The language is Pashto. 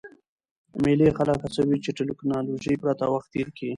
مېلې خلک هڅوي، چي له ټکنالوژۍ پرته وخت تېر کي.